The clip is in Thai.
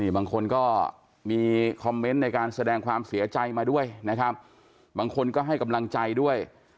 บางคนก็มีคอมเมนต์ในการแสดงความเสียใจมาด้วยนะครับบางคนก็ให้กำลังใจด้วย